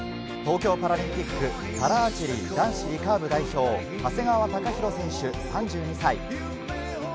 東京パラリンピック、パラアーチェリー男子リカーブ代表・長谷川貴大選手、３２歳。